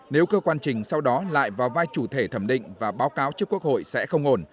nếu cơ quan trình sau đó lại vào vai chủ thể thẩm định và báo cáo trước quốc hội sẽ không ổn